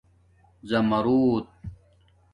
زَماروت